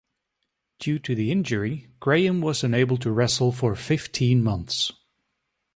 Due to the injury, Graham was unable to wrestle for fifteen months.